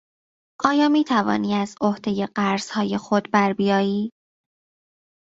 آیا میتوانی از عهدهی قرضهای خود بربیایی؟